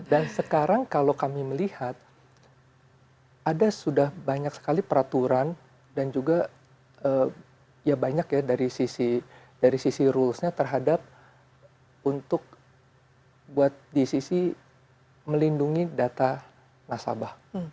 dan sekarang kalau kami melihat ada sudah banyak sekali peraturan dan juga ya banyak ya dari sisi rules nya terhadap untuk buat di sisi melindungi data nasabah